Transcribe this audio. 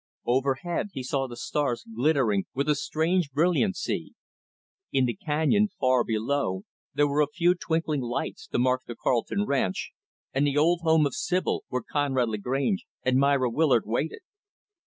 Overhead, he saw the stars glittering with a strange brilliancy. In the canyon, far below, there were a few twinkling lights to mark the Carleton ranch, and the old home of Sibyl, where Conrad Lagrange and Myra Willard waited.